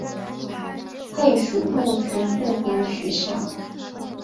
配属陆军步兵学校。